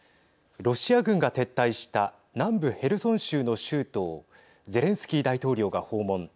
ロシア軍が撤退した南部ヘルソン州の州都をゼレンスキー大統領が訪問。